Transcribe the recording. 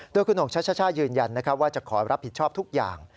โดยคุณหงชัชช่ายืนยันว่าจะขอรับผิดชอบทุกอย่าง